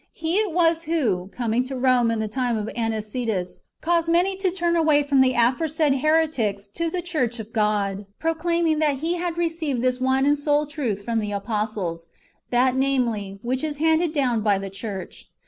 He it was who, coming to Rome in the time of Anicetus, caused many to turn away from the aforesaid heretics to the church of God, proclaiming that he had received this one and sole truth from the apostles, — that, namely, which is handed down by the church.